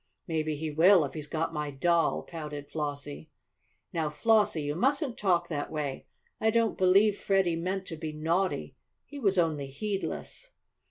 "Maybe he will if he's got my doll," pouted Flossie. "Now, Flossie, you mustn't talk that way. I don't believe Freddie meant to be naughty. He was only heedless."